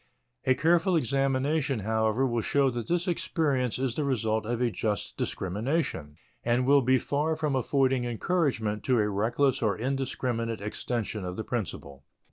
A careful examination, however, will show that this experience is the result of a just discrimination and will be far from affording encouragement to a reckless or indiscriminate extension of the principle.